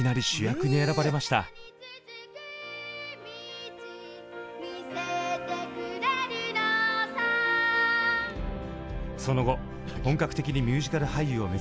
その後本格的にミュージカル俳優を目指した山崎さん。